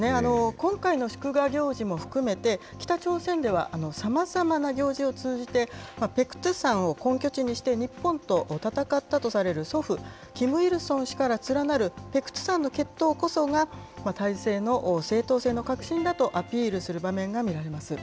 今回の祝賀行事も含めて、北朝鮮ではさまざまな行事を通じて、ペクトゥ山を根拠地にして、日本と戦ったとされる祖父、キム・イルソン氏から連なるペクトゥ山の血統こそが、体制の正統性の核心だとアピールする場面が見られます。